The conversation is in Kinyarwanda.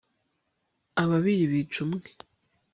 ababiri bica umwe